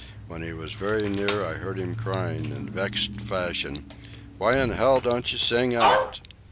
When he was very near I heard him crying, in vexed fashion, "Why in hell don't you sing out?"